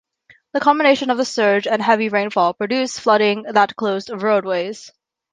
The combination of the surge and heavy rainfall produced flooding that closed roadways.